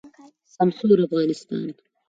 سمسور افغانستان